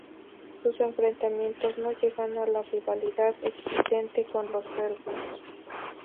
Sus enfrentamientos, no llegan a la rivalidad existente con los serbios.